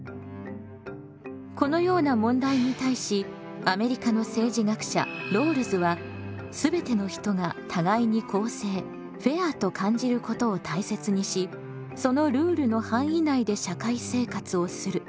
このような問題に対しアメリカの政治学者ロールズは全ての人が互いに公正フェアと感じることを大切にしそのルールの範囲内で社会生活をする。